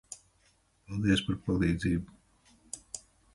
Paldies par palīdzību.